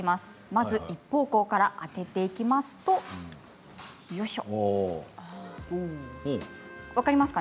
まず１方向から当てていきますと分かりますか